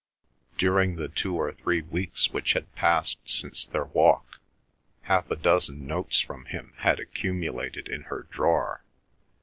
During the two or three weeks which had passed since their walk, half a dozen notes from him had accumulated in her drawer.